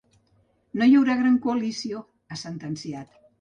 No hi haurà gran coalició, ha sentenciat.